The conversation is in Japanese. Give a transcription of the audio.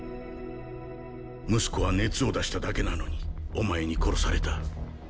息子は熱を出しただけなのにお前に殺された。